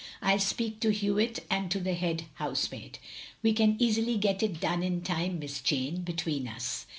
I 'U speak to Hewitt and to the head housemaid. We can easily get it done in time, Miss Jane, between us."